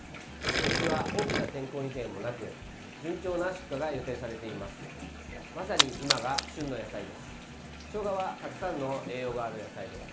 今年は大きな天候異変もなく順調な出荷が予定されています。